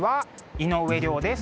井上涼です。